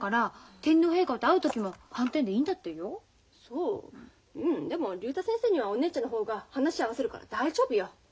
うんでも竜太先生にはお姉ちゃんの方が話合わせるから大丈夫よ。